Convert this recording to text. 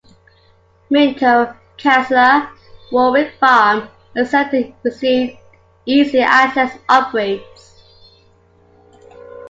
Minto, Casula, Warwick Farm and Sefton received Easy Access upgrades.